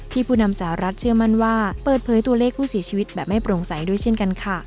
ผู้นำสาวรัฐเชื่อมั่นว่าเปิดเผยตัวเลขผู้เสียชีวิตแบบไม่โปร่งใสด้วยเช่นกันค่ะ